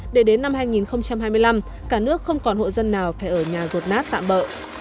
để đến năm hai nghìn hai mươi năm cả nước không còn hộ dân nào phải ở nhà rột nát tạm bỡ